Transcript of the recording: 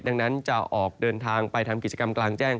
ดังนั้นจะออกเดินทางไปทำกิจกรรมกลางแจ้ง